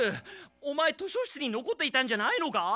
オマエ図書室にのこっていたんじゃないのか？